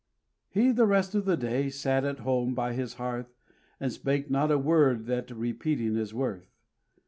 He the rest of the day sat at home by his hearth And spake not a word that repeating is worth.